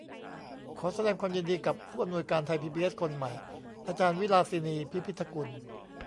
ขอแสดงความยินดีกับผู้อำนวยการไทยพีบีเอสคนใหม่อาจารย์วิลาสินี พิพิธกุล